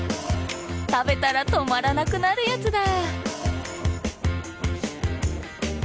食べたら止まらなくなるやつだ。